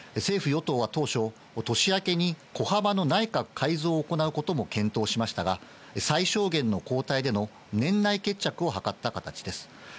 政府与党は当初、年明けに小幅の内閣改造を行うことも検討しましたが、最小限の交代での年内決着を図った形です。